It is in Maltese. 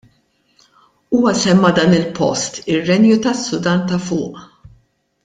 Huwa semma dan il-post, ir-Renju tas-Sudan ta' Fuq.